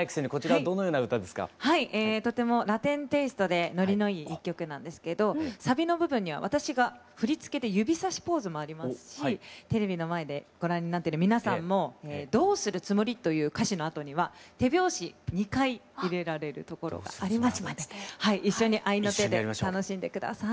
はいとてもラテンテイストでノリのいい一曲なんですけどサビの部分には私が振り付けで指さしポーズもありますしテレビの前でご覧になってる皆さんも「どうするつもり」という歌詞のあとには手拍子２回入れられるところがありますので一緒に合いの手で楽しんで下さい。